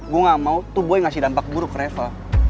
gue ga mau tuh boy ngasih dampak buruk ke reva